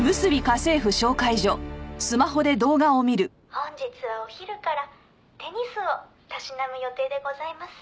「本日はお昼からテニスをたしなむ予定でございます」